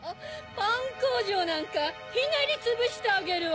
パンこうじょうなんかひねりつぶしてあげるわ！